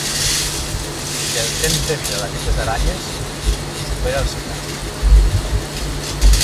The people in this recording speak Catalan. El temps de vida d'aquestes aranyes supera els cinc anys.